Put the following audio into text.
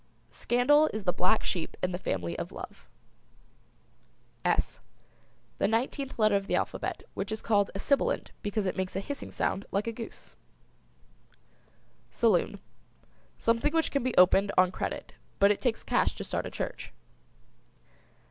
Scandal is the black sheep in the family of Love. ### S: The nineteenth letter of the alphabet, which is called a sibilant, because it makes a hissing sound like a goose. ### SALOON. Something which can be opened on credit, but it takes cash to start a church.